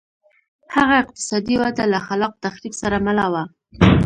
هغه اقتصادي وده له خلاق تخریب سره مله وه.